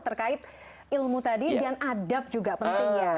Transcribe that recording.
terkait ilmu tadi dan adab juga penting ya